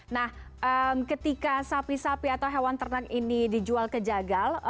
nah ketika sapi sapi atau hewan ternak ini dijual ke jagal